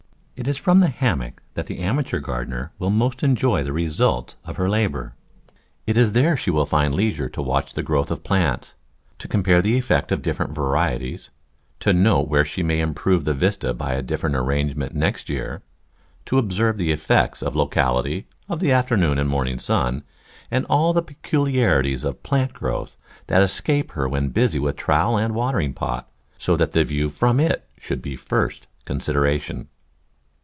It is from the hammock that the amateur gardener will most enjoy the results of her labour. It is there she will find leisure to watch the growth of plants, to compare the effect of different varieties, to note where she may improve the vista by a different ar rangement next year, to observe the effects of locality, Digitized by Google Q"«j ILotatfon atfo Arrangement 5 of the afternoon and morning sun and all the pecu liarities of plant growth that escape her when busy with trowel and watering pot, so that the view from it should be first consideration.